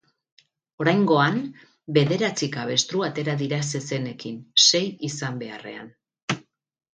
Oraingoan, bederatzi kabestru atera dira zezenekin, sei izan beharrean.